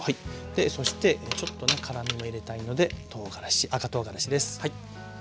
でそしてちょっとね辛みも入れたいのでとうがらし赤とうがらしです。